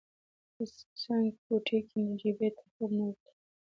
په څنګ کوټې کې نجيبې ته خوب نه ورته.